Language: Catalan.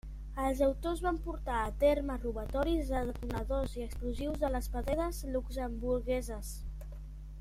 Els autors van portar a terme robatoris de detonadors i explosius de les pedreres luxemburgueses.